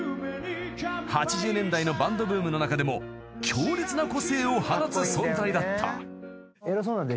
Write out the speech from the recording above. ［８０年代のバンドブームの中でも強烈な個性を放つ存在だった］